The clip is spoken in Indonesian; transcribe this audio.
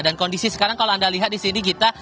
dan kondisi sekarang kalau anda lihat disini kita